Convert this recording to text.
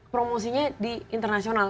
promosinya di internasional